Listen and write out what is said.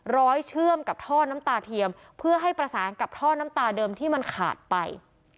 เชื่อมกับท่อน้ำตาเทียมเพื่อให้ประสานกับท่อน้ำตาเดิมที่มันขาดไป